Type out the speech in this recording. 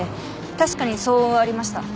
確かに騒音はありました。